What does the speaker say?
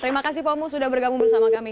terima kasih pak mu sudah bergabung bersama kami